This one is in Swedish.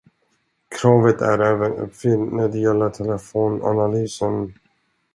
Kravet är även uppfyllt när det gäller telefonanalysen.